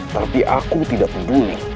tapi aku tidak peduli